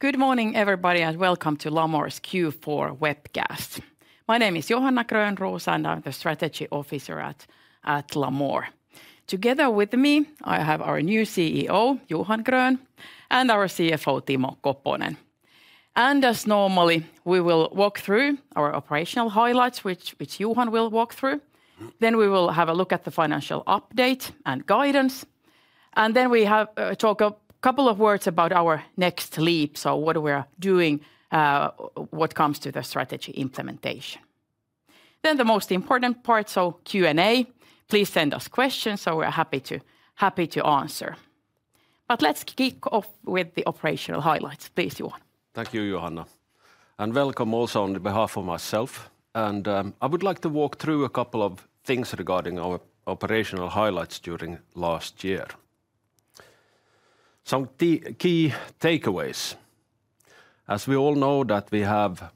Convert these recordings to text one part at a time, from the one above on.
Good morning, everybody, and welcome to Lamor's Q4 webcast. My name is Johanna Grönroos, and I'm the Strategy Officer at Lamor. Together with me, I have our new CEO, Johan Grön, and our CFO, Timo Koponen. And as normally, we will walk through our operational highlights, which Johan will walk through. Then we will have a look at the financial update and guidance. And then we will talk a couple of words about our next leap, so what we are doing when it comes to the strategy implementation. Then the most important part, so Q&A. Please send us questions, so we are happy to answer. But let's kick off with the operational highlights. Please, Johan. Thank you, Johanna. Welcome also on behalf of myself. I would like to walk through a couple of things regarding our operational highlights during last year. Some key takeaways. As we all know, we have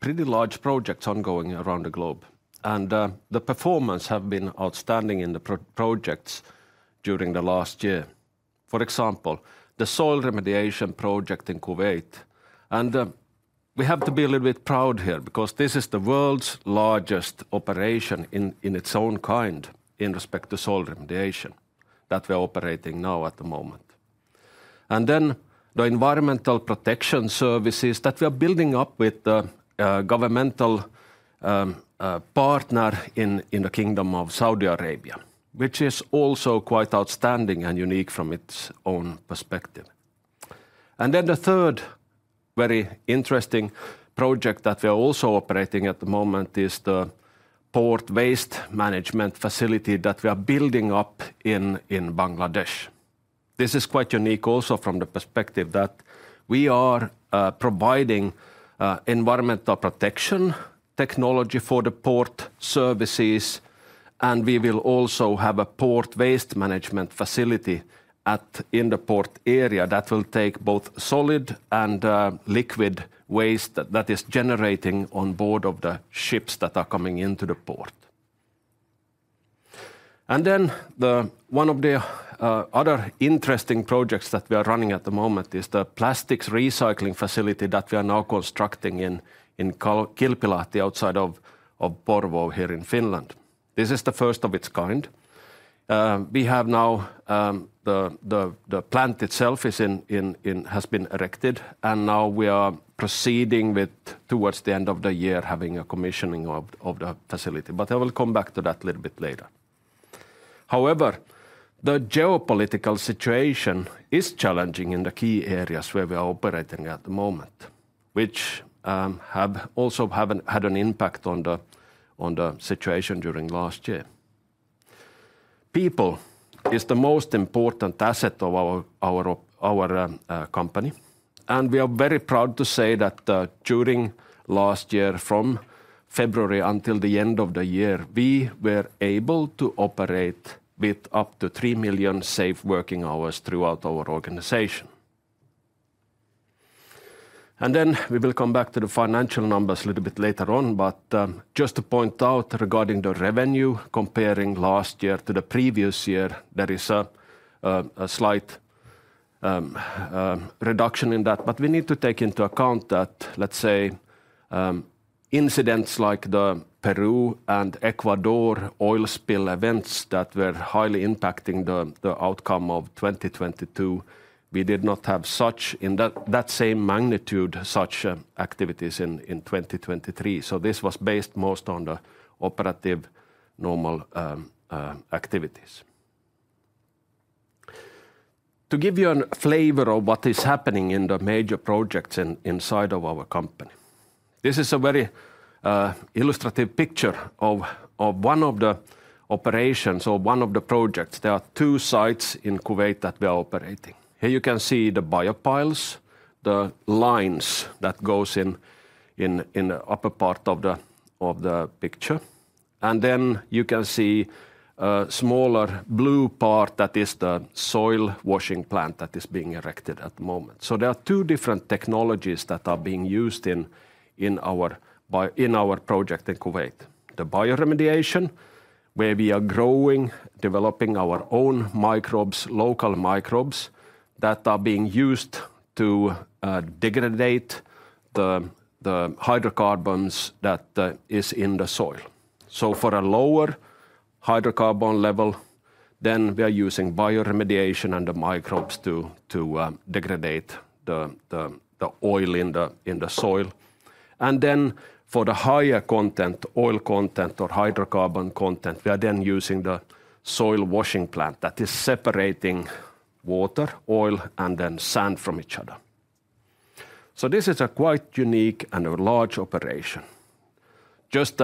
pretty large projects ongoing around the globe. The performance has been outstanding in the projects during the last year. For example, the soil remediation project in Kuwait. We have to be a little bit proud here because this is the world's largest operation in its own kind in respect to soil remediation that we are operating now at the moment. Then the environmental protection services that we are building up with the governmental partner in the Kingdom of Saudi Arabia, which is also quite outstanding and unique from its own perspective. Then the third very interesting project that we are also operating at the moment is the port waste management facility that we are building up in Bangladesh. This is quite unique also from the perspective that we are providing environmental protection technology for the port services. We will also have a port waste management facility in the port area that will take both solid and liquid waste that is generating on board of the ships that are coming into the port. Then one of the other interesting projects that we are running at the moment is the plastics recycling facility that we are now constructing in Kilpilahti outside of Porvoo here in Finland. This is the first of its kind. We have now the plant itself has been erected. Now we are proceeding towards the end of the year having a commissioning of the facility. But I will come back to that a little bit later. However, the geopolitical situation is challenging in the key areas where we are operating at the moment, which also have had an impact on the situation during last year. People are the most important asset of our company. And we are very proud to say that during last year, from February until the end of the year, we were able to operate with up to 3 million safe working hours throughout our organization. And then we will come back to the financial numbers a little bit later on. But just to point out regarding the revenue, comparing last year to the previous year, there is a slight reduction in that. But we need to take into account that, let's say, incidents like the Peru and Ecuador oil spill events that were highly impacting the outcome of 2022. We did not have such in that same magnitude such activities in 2023. So this was based most on the operative normal activities. To give you a flavor of what is happening in the major projects inside of our company, this is a very illustrative picture of one of the operations or one of the projects. There are two sites in Kuwait that we are operating. Here you can see the biopiles, the lines that go in the upper part of the picture. And then you can see a smaller blue part that is the soil washing plant that is being erected at the moment. So there are two different technologies that are being used in our project in Kuwait. The bioremediation, where we are growing, developing our own microbes, local microbes that are being used to degrade the hydrocarbons that are in the soil. So for a lower hydrocarbon level, then we are using bioremediation and the microbes to degrade the oil in the soil. And then for the higher oil content or hydrocarbon content, we are then using the soil washing plant that is separating water, oil, and then sand from each other. So this is a quite unique and large operation. Just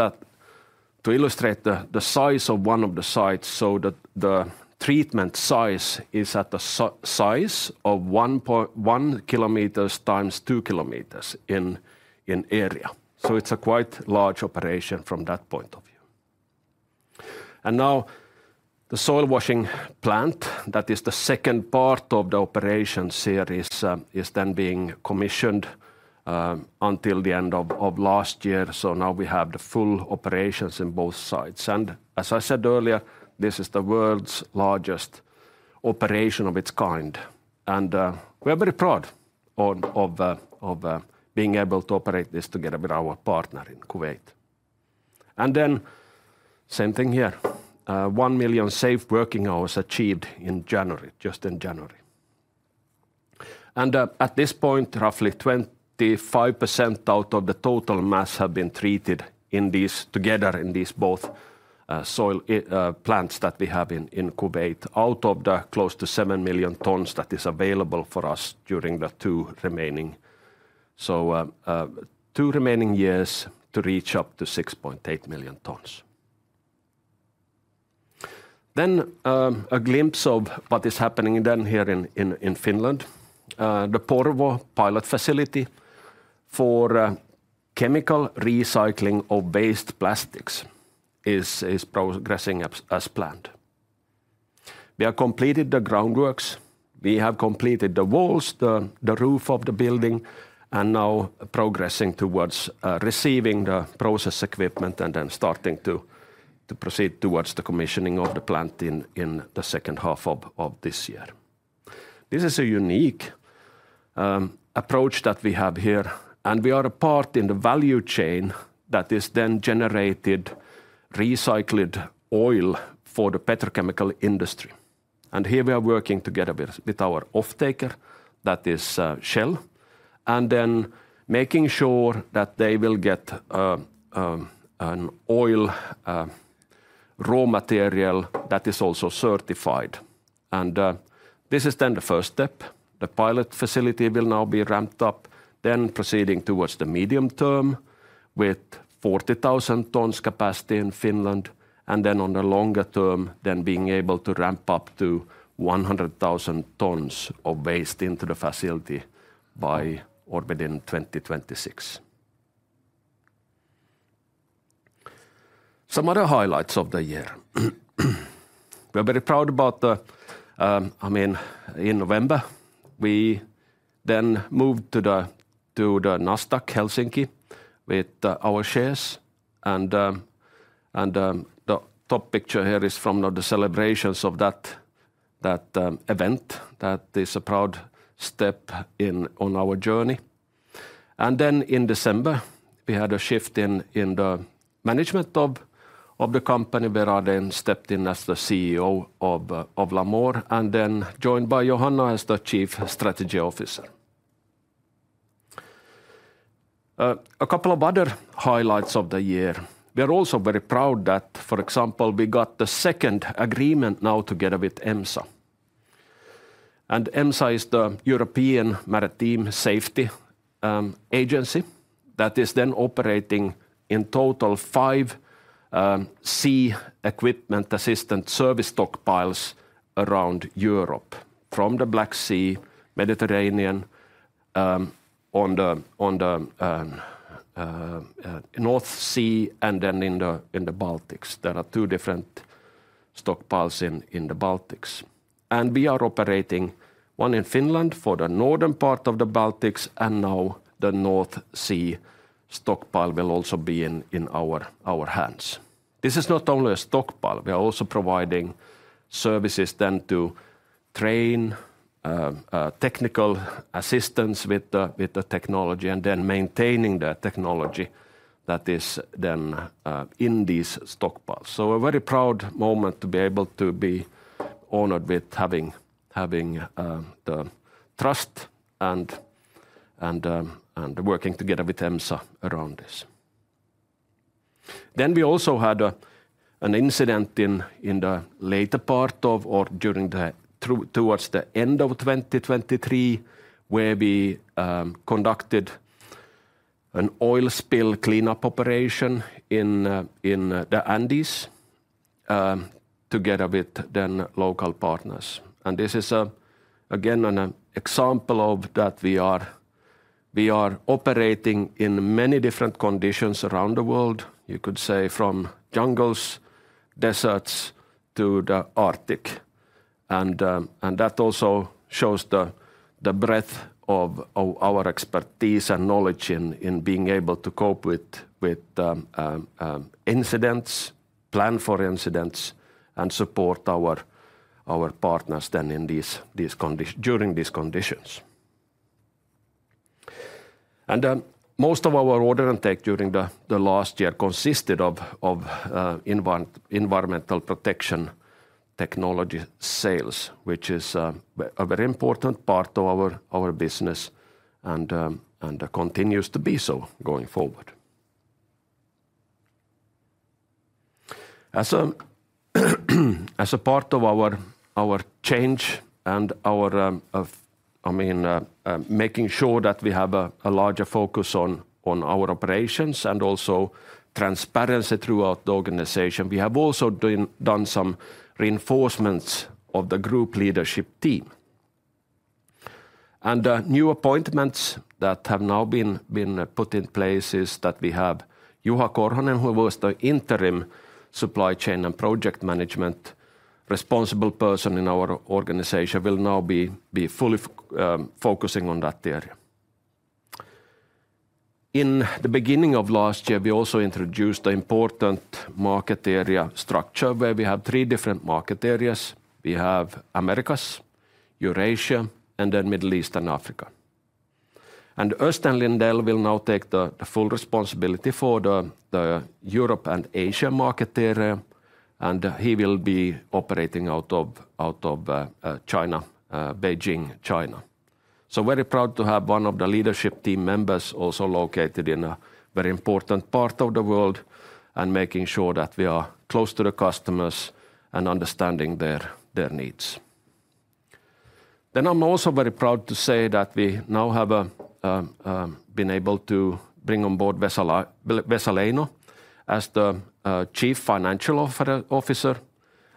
to illustrate the size of one of the sites, so that the treatment size is at the size of 1 km x 2 km in area. So it's a quite large operation from that point of view. And now the soil washing plant, that is the second part of the operation series, is then being commissioned until the end of last year. So now we have the full operations in both sites. And as I said earlier, this is the world's largest operation of its kind. And we are very proud of being able to operate this together with our partner in Kuwait. And then same thing here. 1 million safe working hours achieved in January, just in January. And at this point, roughly 25% out of the total mass have been treated together in these both soil plants that we have in Kuwait, out of the close to 7 million tons that are available for us during the 2 remaining. So 2 remaining years to reach up to 6.8 million tons. Then a glimpse of what is happening then here in Finland. The Porvoo pilot facility for chemical recycling of waste plastics is progressing as planned. We have completed the groundworks. We have completed the walls, the roof of the building, and now progressing towards receiving the process equipment and then starting to proceed towards the commissioning of the plant in the second half of this year. This is a unique approach that we have here. We are a part in the value chain that is then generating recycled oil for the petrochemical industry. Here we are working together with our offtaker that is Shell, and then making sure that they will get an oil raw material that is also certified. This is then the first step. The pilot facility will now be ramped up, then proceeding towards the medium term with 40,000 tons capacity in Finland. On the longer term, then being able to ramp up to 100,000 tons of waste into the facility by or within 2026. Some other highlights of the year. We are very proud about the in November, we then moved to the Nasdaq Helsinki with our shares. The top picture here is from the celebrations of that event. That is a proud step on our journey. In December, we had a shift in the management of the company where I then stepped in as the CEO of Lamor and then joined by Johanna as the Chief Strategy Officer. A couple of other highlights of the year. We are also very proud that, for example, we got the second agreement now together with EMSA. EMSA is the European Maritime Safety Agency that is then operating in total five sea Equipment Assistance Service stockpiles around Europe from the Black Sea, Mediterranean, on the North Sea, and then in the Baltics. There are two different stockpiles in the Baltics. We are operating one in Finland for the northern part of the Baltics. Now the North Sea stockpile will also be in our hands. This is not only a stockpile. We are also providing services then to train technical assistants with the technology and then maintaining the technology that is then in these stockpiles. A very proud moment to be able to be honored with having the trust and working together with EMSA around this. We also had an incident in the later part of or towards the end of 2023 where we conducted an oil spill cleanup operation in the Andes together with then local partners. This is, again, an example of that. We are operating in many different conditions around the world. You could say from jungles, deserts, to the Arctic. That also shows the breadth of our expertise and knowledge in being able to cope with incidents, plan for incidents, and support our partners then during these conditions. Most of our order intake during the last year consisted of environmental protection technology sales, which is a very important part of our business and continues to be so going forward. As a part of our change and making sure that we have a larger focus on our operations and also transparency throughout the organization, we have also done some reinforcements of the group leadership team. New appointments that have now been put in place is that we have Juha Korhonen, who was the interim supply chain and project management responsible person in our organization, will now be fully focusing on that area. In the beginning of last year, we also introduced an important market area structure where we have three different market areas. We have Americas, Eurasia, and then Middle East and Africa. Östen Lindell will now take the full responsibility for the Europe and Asia market area. He will be operating out of Beijing, China. Very proud to have one of the leadership team members also located in a very important part of the world and making sure that we are close to the customers and understanding their needs. I'm also very proud to say that we now have been able to bring on board Vesa Leino as the Chief Financial Officer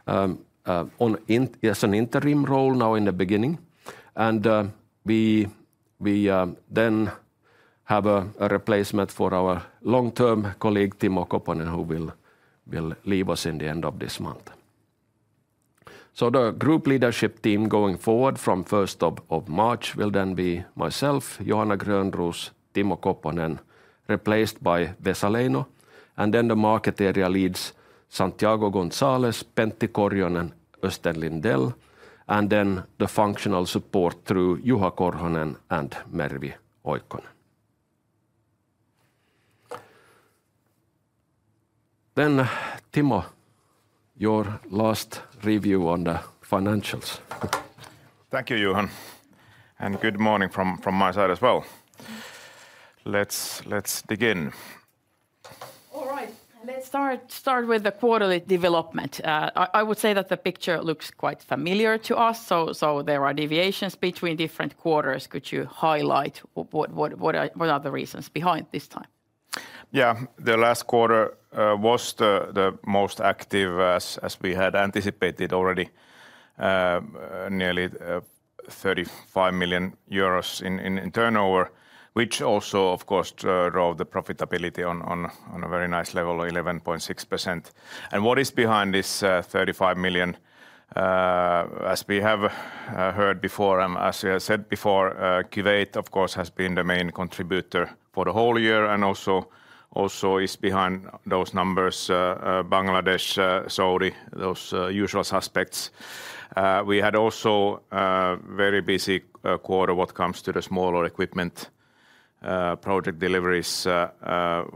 as an interim role now in the beginning. We have a replacement for our long-term colleague, Timo Koponen, who will leave us in the end of this month. The group leadership team going forward from 1st of March will then be myself, Johanna Grönroos, Timo Koponen, replaced by Vesa Leino. And then the market area leads Santiago Gonzalez, Pentti Korhonen, Östen Lindell, and then the functional support through Juha Korhonen and Mervi Oikkonen. Then Timo, your last review on the financials. Thank you, Johan. And good morning from my side as well. Let's dig in. All right. Let's start with the quarterly development. I would say that the picture looks quite familiar to us. So there are deviations between different quarters. Could you highlight what are the reasons behind this time? Yeah. The last quarter was the most active as we had anticipated already. Nearly 35 million euros in turnover, which also, of course, drove the profitability on a very nice level of 11.6%. And what is behind this 35 million? As we have heard before, as we have said before, Kuwait, of course, has been the main contributor for the whole year and also is behind those numbers. Bangladesh, Saudi, those usual suspects. We had also a very busy quarter when it comes to the smaller equipment project deliveries,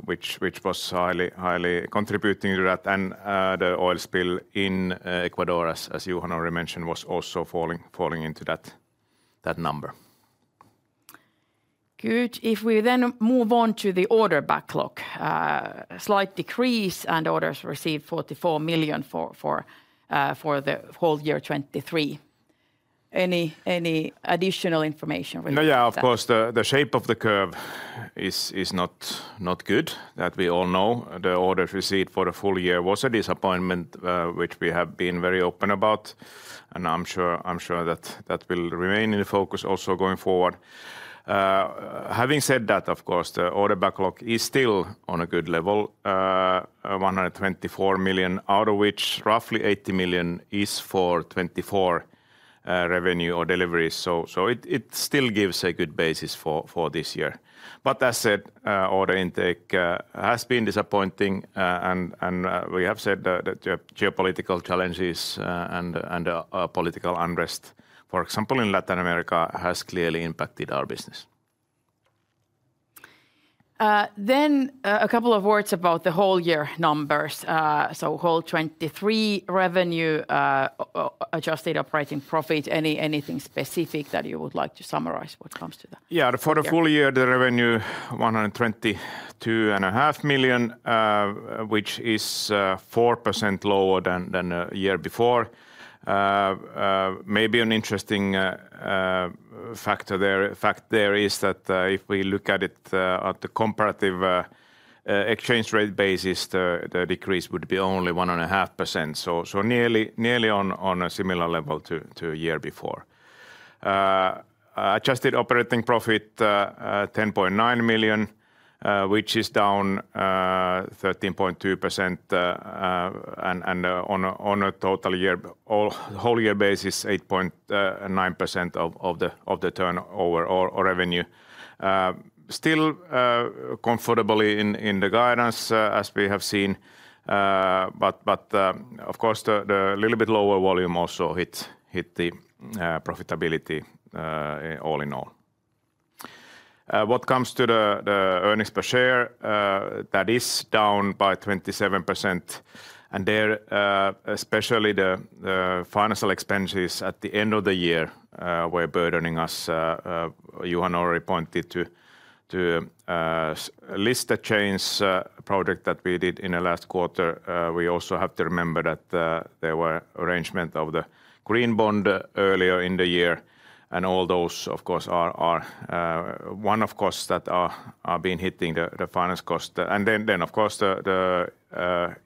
which was highly contributing to that. And the oil spill in Ecuador, as Johan already mentioned, was also falling into that number. Good. If we then move on to the order backlog, a slight decrease and orders received 44 million for the whole year 2023. Any additional information? No, yeah. Of course, the shape of the curve is not good that we all know. The orders received for the full year was a disappointment, which we have been very open about. And I'm sure that will remain in the focus also going forward. Having said that, of course, the order backlog is still on a good level, 124 million, out of which roughly 80 million is for 2024 revenue or deliveries. So it still gives a good basis for this year. But as said, order intake has been disappointing. We have said that geopolitical challenges and political unrest, for example, in Latin America, has clearly impacted our business. Then a couple of words about the whole year numbers. So whole 2023 revenue, adjusted operating profit, anything specific that you would like to summarize when it comes to that? Yeah. For the full year, the revenue, 122.5 million, which is 4% lower than the year before. Maybe an interesting factor there is that if we look at it at the comparative exchange rate basis, the decrease would be only 1.5%. So nearly on a similar level to the year before. Adjusted operating profit, 10.9 million, which is down 13.2%. On a total year, whole year basis, 8.9% of the turnover or revenue. Still comfortably in the guidance as we have seen. But of course, a little bit lower volume also hit the profitability all in all. When it comes to the earnings per share, that is down by 27%. And there, especially the financial expenses at the end of the year were burdening us. Johan already pointed to the supply chain project that we did in the last quarter. We also have to remember that there were arrangements of the green bond earlier in the year. And all those, of course, are one of the costs that are hitting the finance cost. And then, of course, the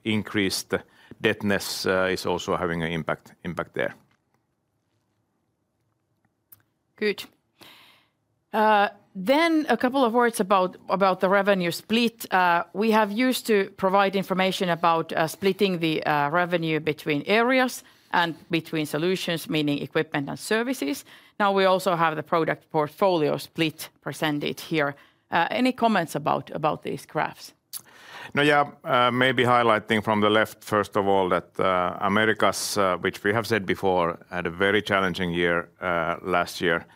increased indebtedness is also having an impact there. Good. Then a couple of words about the revenue split. We have used to provide information about splitting the revenue between areas and between solutions, meaning equipment and services. Now we also have the product portfolio split presented here. Any comments about these graphs? No, yeah. Maybe highlighting from the left, first of all, that Americas, which we have said before, had a very challenging year last year.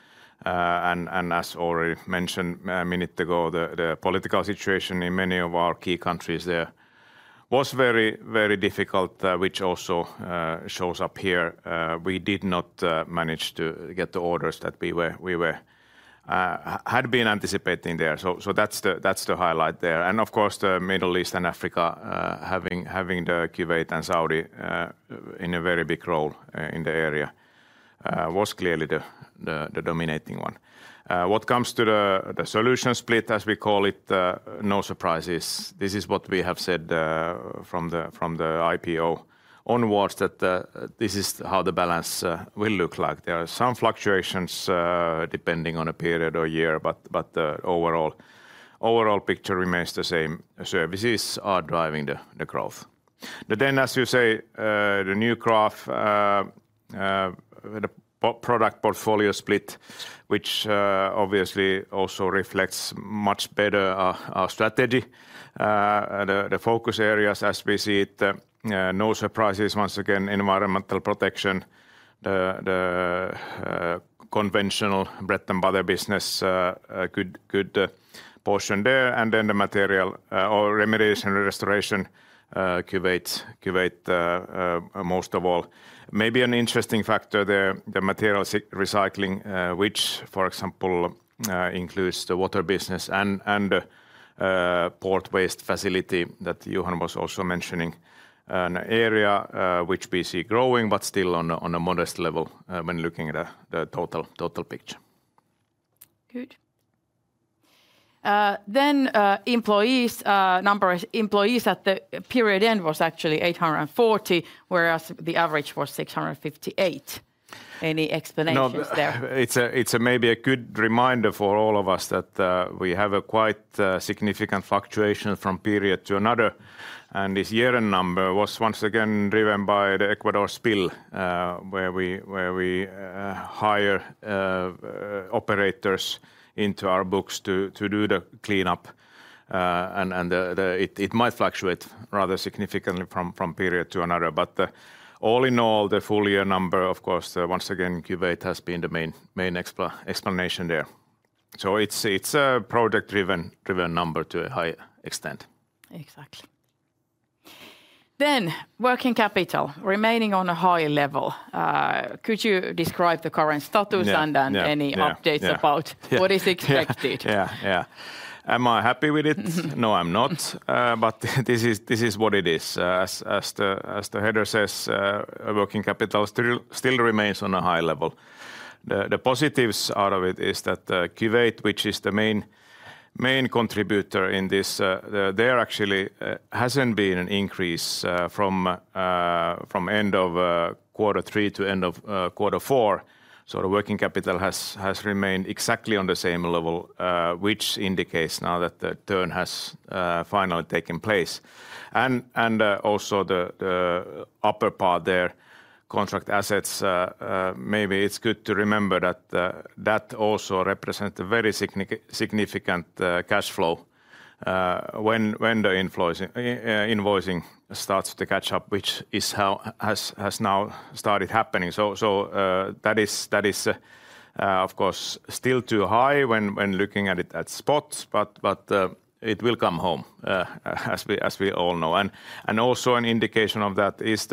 As already mentioned a minute ago, the political situation in many of our key countries there was very difficult, which also shows up here. We did not manage to get the orders that we had been anticipating there. That's the highlight there. Of course, the Middle East and Africa, having Kuwait and Saudi in a very big role in the area, was clearly the dominating one. When it comes to the solution split, as we call it, no surprises. This is what we have said from the IPO onwards, that this is how the balance will look like. There are some fluctuations depending on a period or year. But the overall picture remains the same. Services are driving the growth. Then, as you say, the new graph, the product portfolio split, which obviously also reflects much better our strategy, the focus areas as we see it. No surprises, once again, environmental protection, the conventional bread and butter business, good portion there. And then the material or remediation and restoration, Kuwait, most of all. Maybe an interesting factor there, the material recycling, which, for example, includes the water business and the port waste facility that Johan was also mentioning, an area which we see growing but still on a modest level when looking at the total picture. Good. Then employees number at the period end was actually 840, whereas the average was 658. Any explanations there? No, it's maybe a good reminder for all of us that we have a quite significant fluctuation from period to another. And this year-end number was once again driven by the Ecuador spill, where we hire operators into our books to do the cleanup. And it might fluctuate rather significantly from period to another. But all in all, the full year number, of course, once again, Kuwait has been the main explanation there. So it's a project-driven number to a high extent. Exactly. Then working capital, remaining on a high level. Could you describe the current status and any updates about what is expected? Yeah, yeah. Am I happy with it? No, I'm not. But this is what it is. As the header says, working capital still remains on a high level. The positives out of it is that Kuwait, which is the main contributor in this, there actually hasn't been an increase from end of quarter three to end of quarter four. So the working capital has remained exactly on the same level, which indicates now that the turn has finally taken place. And also the upper part there, contract assets, maybe it's good to remember that that also represents a very significant cash flow when the invoicing starts to catch up, which has now started happening. So that is, of course, still too high when looking at it at spot. But it will come home, as we all know. And also an indication of that is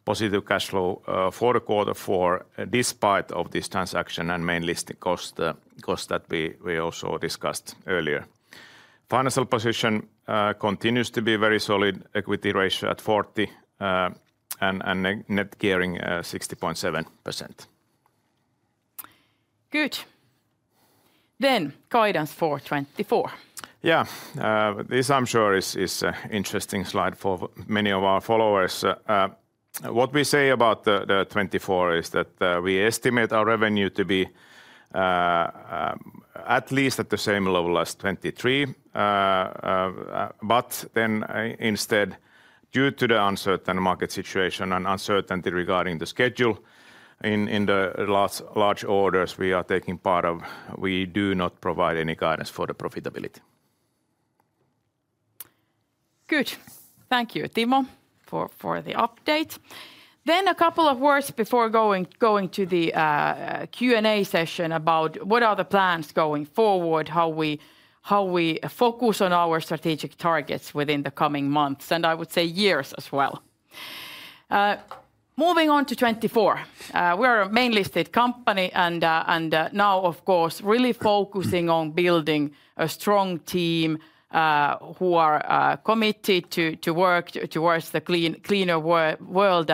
the positive cash flow for the quarter four despite this transaction and main listing cost that we also discussed earlier. Financial position continues to be very solid. Equity ratio at 40% and net gearing 60.7%. Good. Then guidance for 2024. Yeah. This, I'm sure, is an interesting slide for many of our followers. What we say about 2024 is that we estimate our revenue to be at least at the same level as 2023. But then instead, due to the uncertain market situation and uncertainty regarding the schedule in the large orders we are taking part of, we do not provide any guidance for the profitability. Good. Thank you, Timo, for the update. Then a couple of words before going to the Q&A session about what are the plans going forward, how we focus on our strategic targets within the coming months and I would say years as well. Moving on to 2024. We are a main listed company and now, of course, really focusing on building a strong team who are committed to work towards the cleaner world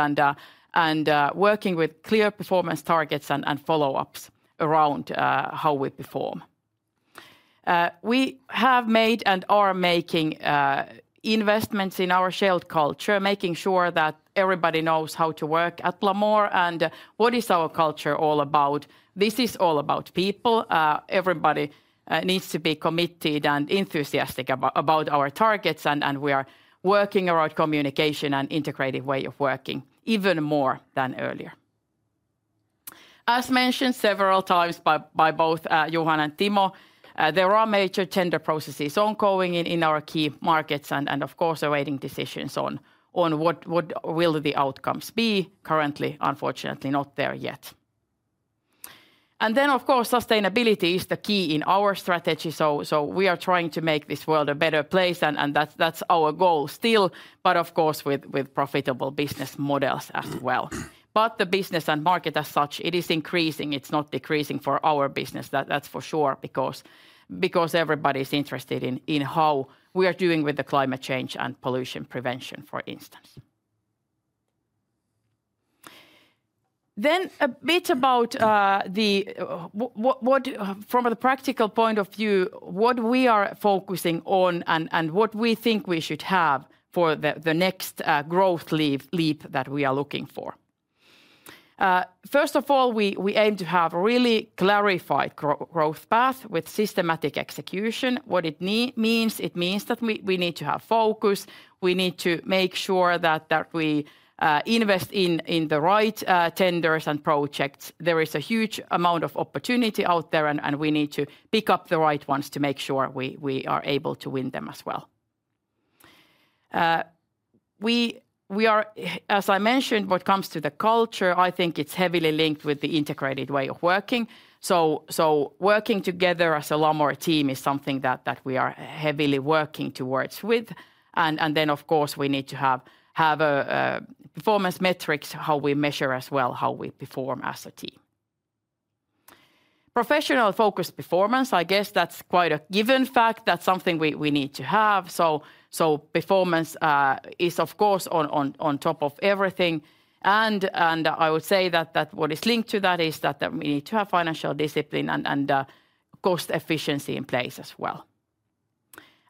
and working with clear performance targets and follow-ups around how we perform. We have made and are making investments in our shared culture, making sure that everybody knows how to work at Lamor and what is our culture all about. This is all about people. Everybody needs to be committed and enthusiastic about our targets. We are working around communication and integrative way of working even more than earlier. As mentioned several times by both Johan and Timo, there are major tender processes ongoing in our key markets and, of course, awaiting decisions on what will the outcomes be. Currently, unfortunately, not there yet. Then, of course, sustainability is the key in our strategy. So we are trying to make this world a better place. And that's our goal still. But, of course, with profitable business models as well. But the business and market as such, it is increasing. It's not decreasing for our business, that's for sure, because everybody is interested in how we are doing with the climate change and pollution prevention, for instance. Then a bit about the, from a practical point of view, what we are focusing on and what we think we should have for the next growth leap that we are looking for. First of all, we aim to have a really clarified growth path with systematic execution. What it means, it means that we need to have focus. We need to make sure that we invest in the right tenders and projects. There is a huge amount of opportunity out there. We need to pick up the right ones to make sure we are able to win them as well. We are, as I mentioned, when it comes to the culture, I think it's heavily linked with the integrated way of working. Working together as a Lamor team is something that we are heavily working towards with. Then, of course, we need to have performance metrics, how we measure as well, how we perform as a team. Professional focused performance, I guess that's quite a given fact. That's something we need to have. Performance is, of course, on top of everything. And I would say that what is linked to that is that we need to have financial discipline and cost efficiency in place as well.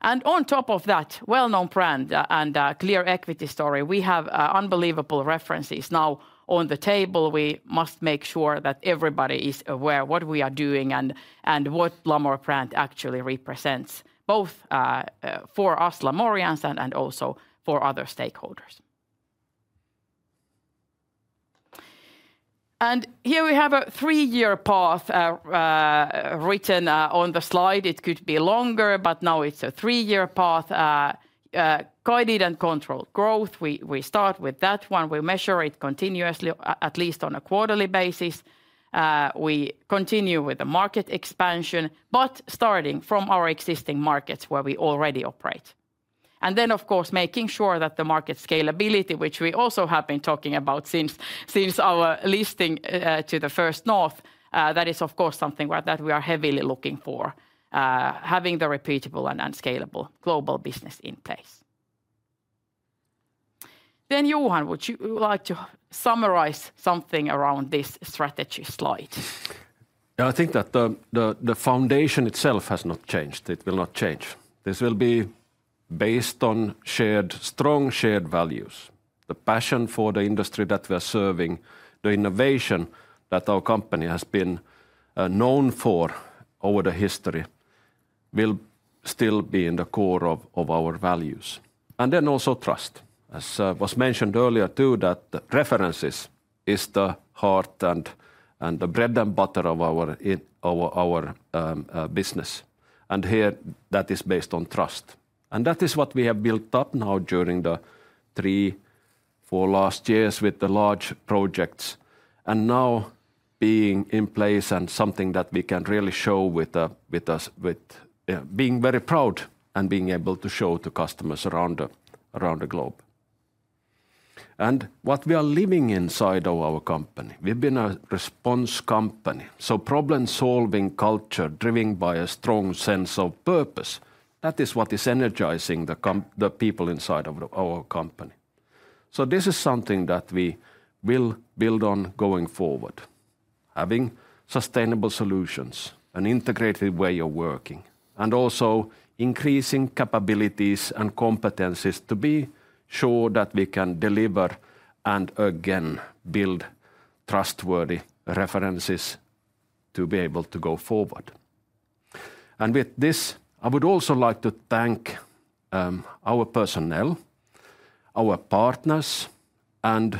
And on top of that, well-known brand and clear equity story, we have unbelievable references now on the table. We must make sure that everybody is aware of what we are doing and what Lamor brand actually represents, both for us Lamorians and also for other stakeholders. Here we have a three-year path, written on the slide. It could be longer, but now it's a three-year path. Guided and controlled growth, we start with that one. We measure it continuously, at least on a quarterly basis. We continue with the market expansion, but starting from our existing markets where we already operate. And then, of course, making sure that the market scalability, which we also have been talking about since our listing to the First North, that is, of course, something that we are heavily looking for, having the repeatable and scalable global business in place. Then Johan, would you like to summarize something around this strategy slide? Yeah, I think that the foundation itself has not changed. It will not change. This will be based on shared, strong shared values. The passion for the industry that we are serving, the innovation that our company has been known for over the history, will still be in the core of our values. And then also trust. As was mentioned earlier too, that references is the heart and the bread and butter of our business. And here, that is based on trust. And that is what we have built up now during the three, four last years with the large projects. And now being in place and something that we can really show with us, with being very proud and being able to show to customers around the globe. And what we are living inside of our company, we've been a response company. So problem-solving culture, driven by a strong sense of purpose, that is what is energizing the people inside of our company. So this is something that we will build on going forward, having sustainable solutions, an integrated way of working, and also increasing capabilities and competencies to be sure that we can deliver and again build trustworthy references to be able to go forward. And with this, I would also like to thank our personnel, our partners, and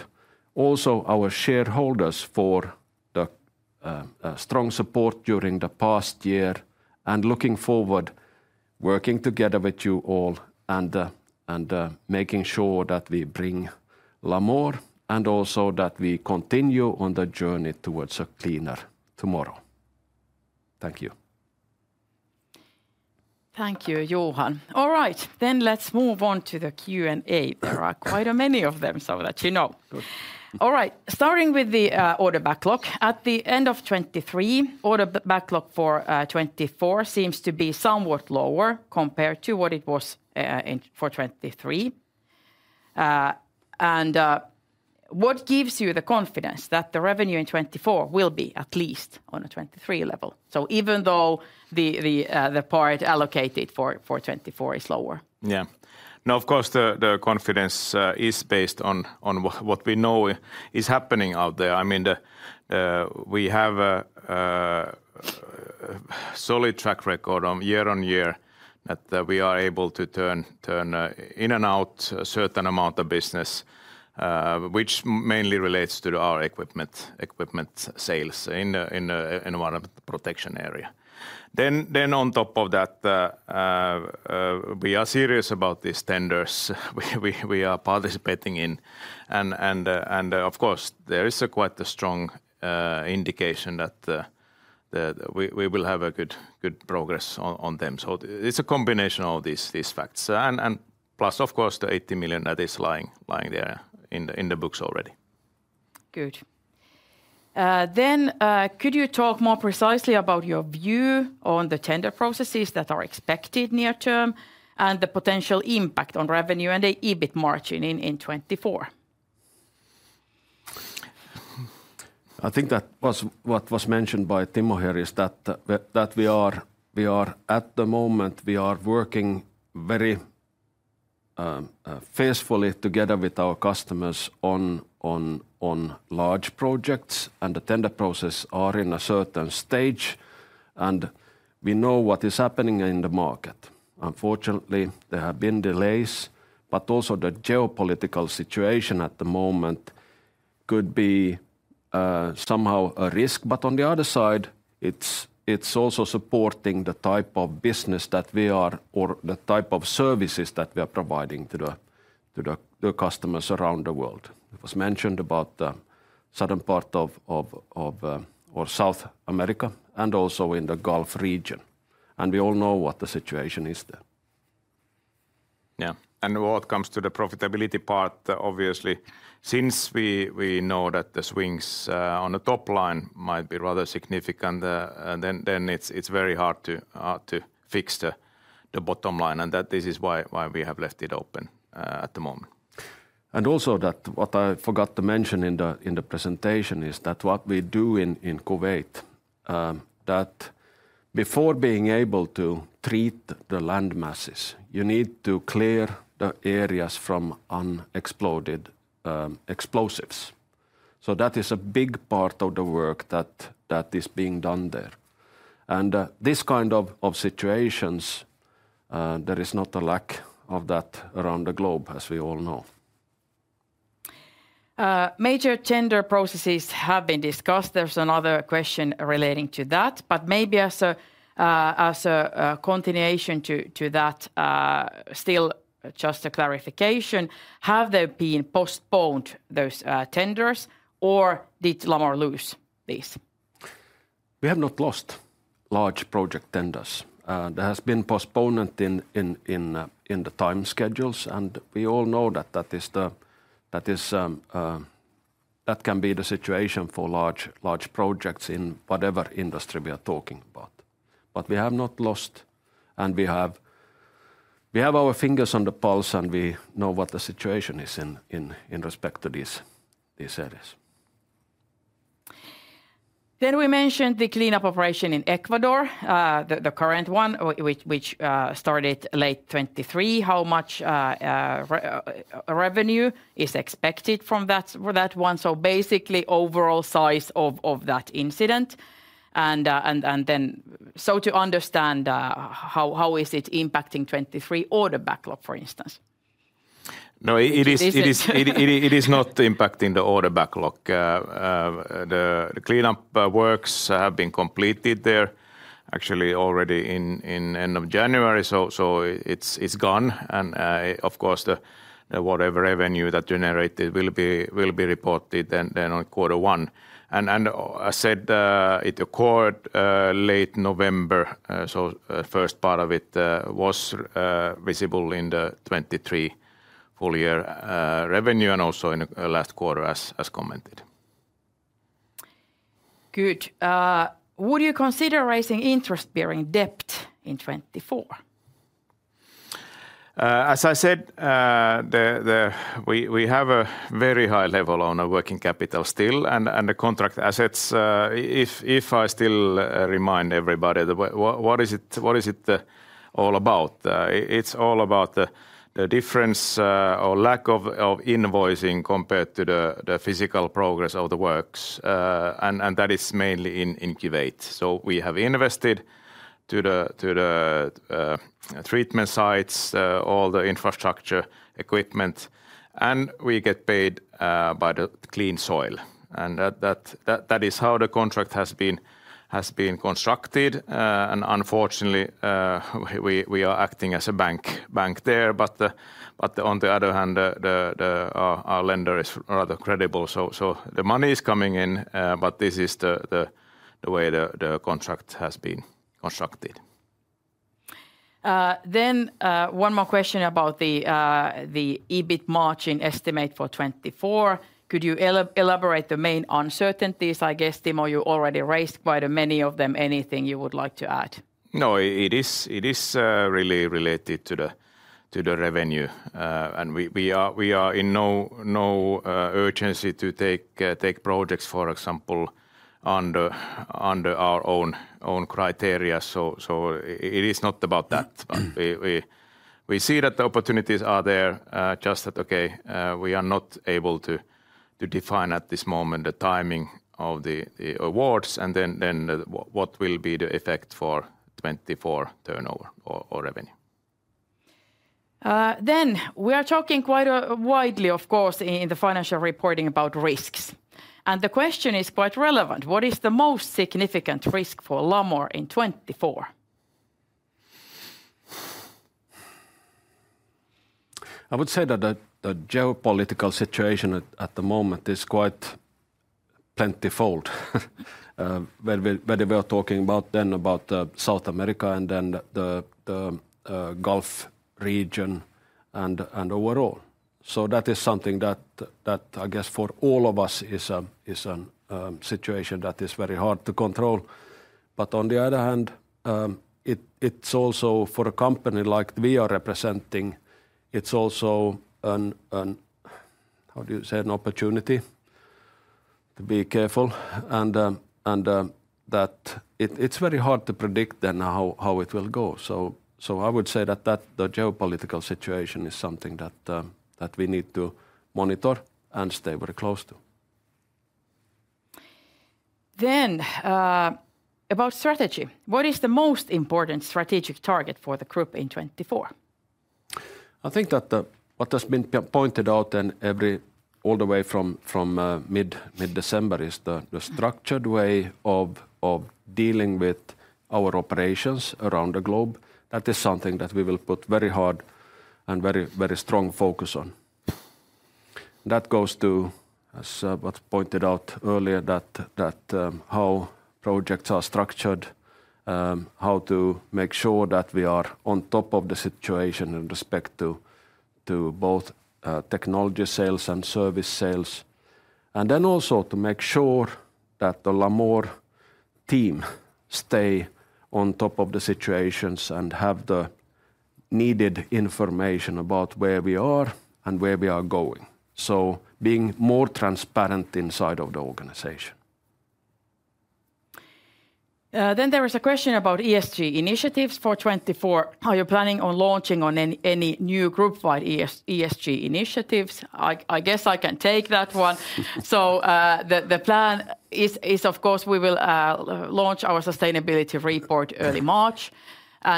also our shareholders for the strong support during the past year. And looking forward, working together with you all and making sure that we bring Lamor and also that we continue on the journey towards a cleaner tomorrow. Thank you. Thank you, Johan. All right, then let's move on to the Q&A. There are quite a many of them, so that you know. Good. All right, starting with the order backlog. At the end of 2023, order backlog for 2024 seems to be somewhat lower compared to what it was for 2023. And what gives you the confidence that the revenue in 2024 will be at least on a 2023 level? Even though the part allocated for 2024 is lower. Yeah. No, of course, the confidence is based on what we know is happening out there. I mean, we have a solid track record year on year that we are able to turn in and out a certain amount of business, which mainly relates to our equipment sales in the environmental protection area. Then on top of that, we are serious about these tenders we are participating in. And, of course, there is quite a strong indication that we will have good progress on them. So it's a combination of these facts. Plus, of course, the 80 million that is lying there in the books already. Good. Then could you talk more precisely about your view on the tender processes that are expected near term and the potential impact on revenue and the EBIT margin in 2024? I think that was what was mentioned by Timo here is that we are, at the moment, we are working very faithfully together with our customers on large projects. The tender processes are in a certain stage. We know what is happening in the market. Unfortunately, there have been delays. But also the geopolitical situation at the moment could be somehow a risk. But on the other side, it's also supporting the type of business that we are or the type of services that we are providing to the customers around the world. It was mentioned about the southern part of South America and also in the Gulf region. We all know what the situation is there. Yeah. When it comes to the profitability part, obviously, since we know that the swings on the top line might be rather significant, then it's very hard to fix the bottom line. This is why we have left it open at the moment. Also, what I forgot to mention in the presentation is that what we do in Kuwait, before being able to treat the land masses, you need to clear the areas from unexploded explosives. So that is a big part of the work that is being done there. This kind of situations, there is not a lack of that around the globe, as we all know. Major tender processes have been discussed. There's another question relating to that. But maybe as a continuation to that, still just a clarification, have there been postponed those tenders or did Lamor lose these? We have not lost large project tenders. There has been postponement in the time schedules. And we all know that that is the... That can be the situation for large projects in whatever industry we are talking about. But we have not lost. And we have our fingers on the pulse. And we know what the situation is in respect to these areas. Then we mentioned the cleanup operation in Ecuador, the current one, which started late 2023. How much revenue is expected from that one? So basically, overall size of that incident. And then so to understand, how is it impacting 2023 order backlog, for instance? No, it is not impacting the order backlog. The cleanup works have been completed there, actually already in the end of January. So it's gone. And, of course, whatever revenue that generated will be reported then on quarter one. And as said, it occurred late November. So the first part of it was visible in the 2023 full year revenue and also in the last quarter, as commented. Good. Would you consider raising interest bearing debt in 2024? As I said, we have a very high level on our working capital still. And the contract assets, if I still remind everybody, what is it all about? It's all about the difference or lack of invoicing compared to the physical progress of the works. And that is mainly in Kuwait. So we have invested in the treatment sites, all the infrastructure, equipment. And we get paid by the clean soil. And that is how the contract has been constructed. Unfortunately, we are acting as a bank there. But on the other hand, our lender is rather credible. So the money is coming in. But this is the way the contract has been constructed. Then one more question about the EBIT margin estimate for 2024. Could you elaborate the main uncertainties? I guess, Timo, you already raised quite many of them. Anything you would like to add? No, it is really related to the revenue. And we are in no urgency to take projects, for example, under our own criteria. So it is not about that. But we see that the opportunities are there. Just that, okay, we are not able to define at this moment the timing of the awards. And then what will be the effect for 2024 turnover or revenue. Then we are talking quite widely, of course, in the financial reporting about risks. The question is quite relevant. What is the most significant risk for Lamor in 2024? I would say that the geopolitical situation at the moment is quite multifold. When we were talking about then about South America and then the Gulf region and overall. So that is something that, I guess, for all of us is a situation that is very hard to control. But on the other hand, it's also for a company like we are representing, it's also an... How do you say? An opportunity to be careful. And that it's very hard to predict then how it will go. So I would say that the geopolitical situation is something that we need to monitor and stay very close to. Then about strategy. What is the most important strategic target for the group in 2024? I think that what has been pointed out then all the way from mid-December is the structured way of dealing with our operations around the globe. That is something that we will put very hard and very strong focus on. That goes to, as was pointed out earlier, that how projects are structured, how to make sure that we are on top of the situation in respect to both technology sales and service sales. And then also to make sure that the Lamor team stay on top of the situations and have the needed information about where we are and where we are going. So being more transparent inside of the organization. Then there was a question about ESG initiatives for 2024. Are you planning on launching any new group-wide ESG initiatives? I guess I can take that one. So the plan is, of course, we will launch our sustainability report early March.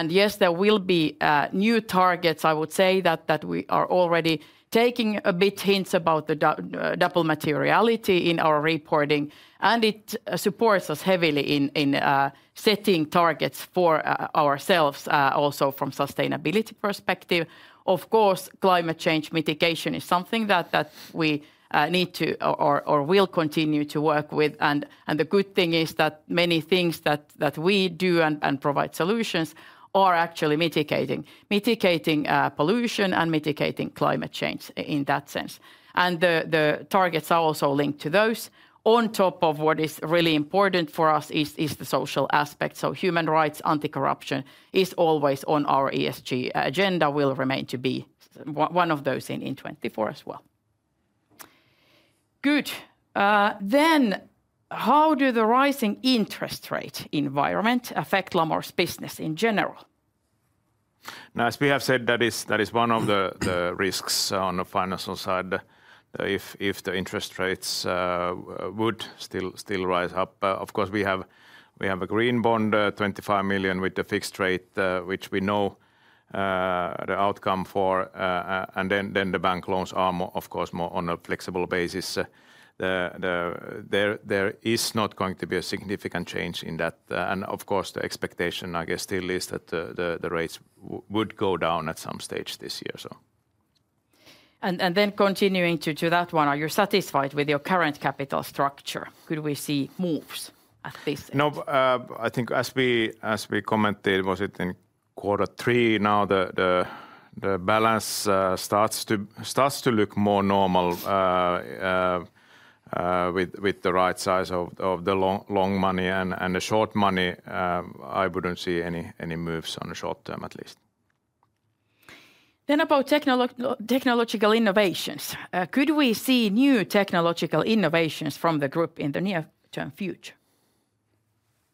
Yes, there will be new targets. I would say that we are already taking a bit hints about the double materiality in our reporting. It supports us heavily in setting targets for ourselves also from a sustainability perspective. Of course, climate change mitigation is something that we need to or will continue to work with. The good thing is that many things that we do and provide solutions are actually mitigating pollution and mitigating climate change in that sense. The targets are also linked to those. On top of what is really important for us is the social aspect. Human rights, anti-corruption is always on our ESG agenda. It will remain to be one of those in 2024 as well. Good. How do the rising interest rate environment affect Lamor's business in general? Now, as we have said, that is one of the risks on the financial side if the interest rates would still rise up. Of course, we have a green bond, 25 million with the fixed rate, which we know the outcome for. And then the bank loans are, of course, more on a flexible basis. There is not going to be a significant change in that. And, of course, the expectation, I guess, still is that the rates would go down at some stage this year. And then continuing to that one, are you satisfied with your current capital structure? Could we see moves at this? No, I think as we commented, was it in quarter three? Now the balance starts to look more normal with the right size of the long money and the short money. I wouldn't see any moves on the short term, at least. Then about technological innovations. Could we see new technological innovations from the group in the near-term future?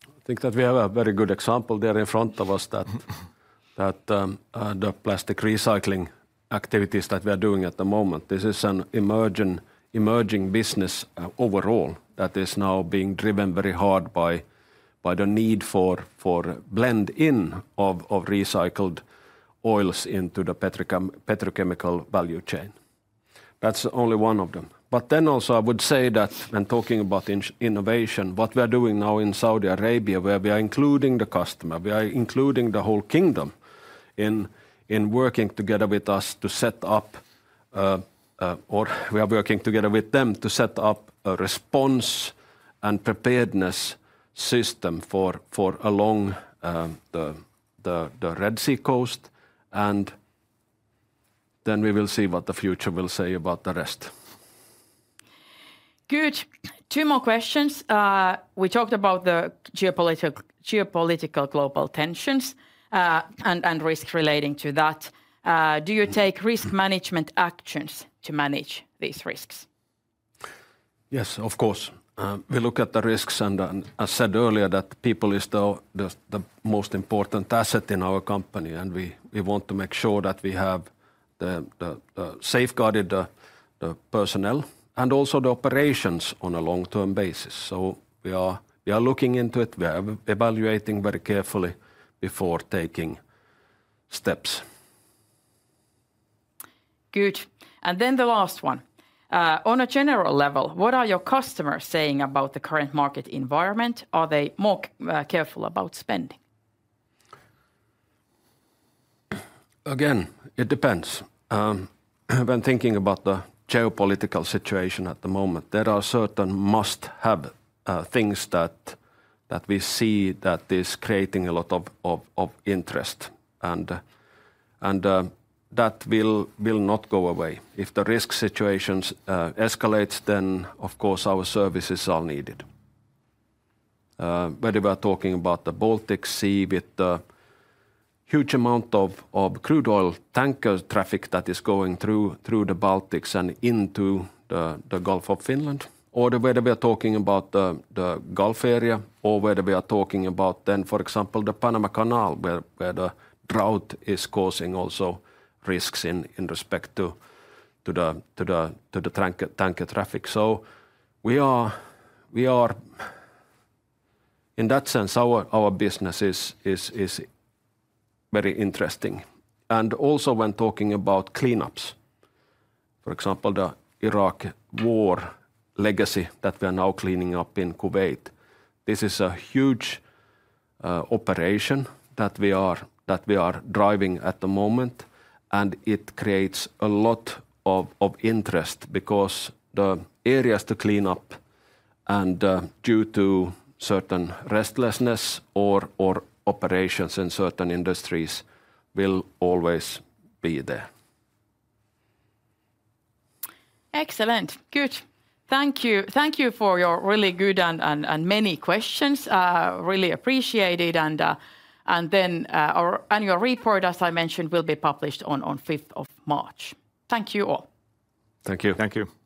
I think that we have a very good example there in front of us, that the plastic recycling activities that we are doing at the moment. This is an emerging business overall that is now being driven very hard by the need for blend-in of recycled oils into the petrochemical value chain. That's only one of them. But then also, I would say that when talking about innovation, what we are doing now in Saudi Arabia, where we are including the customer, we are including the whole kingdom in working together with us to set up... Or we are working together with them to set up a response and preparedness system for a long... The Red Sea coast. And then we will see what the future will say about the rest. Good. Two more questions. We talked about the geopolitical global tensions and risks relating to that. Do you take risk management actions to manage these risks? Yes, of course. We look at the risks. And as said earlier, that people is the most important asset in our company. And we want to make sure that we have safeguarded the personnel and also the operations on a long-term basis. So we are looking into it. We are evaluating very carefully before taking steps. Good. And then the last one. On a general level, what are your customers saying about the current market environment? Are they more careful about spending? Again, it depends. When thinking about the geopolitical situation at the moment, there are certain must-have things that we see that is creating a lot of interest. That will not go away. If the risk situation escalates, then, of course, our services are needed. Whether we are talking about the Baltic Sea with the huge amount of crude oil tanker traffic that is going through the Baltics and into the Gulf of Finland, or whether we are talking about the Gulf area, or whether we are talking about then, for example, the Panama Canal, where the drought is causing also risks in respect to the tanker traffic. So we are... In that sense, our business is very interesting. And also when talking about cleanups, for example, the Iraq War legacy that we are now cleaning up in Kuwait, this is a huge operation that we are driving at the moment. It creates a lot of interest because the areas to clean up and due to certain restlessness or operations in certain industries will always be there. Excellent. Good. Thank you for your really good and many questions. Really appreciated. Then your report, as I mentioned, will be published on 5th of March. Thank you all. Thank you. Thank you.